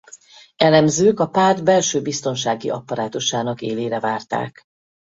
Elemzők a párt belső biztonsági apparátusának élére várták.